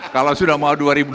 kalau sudah mau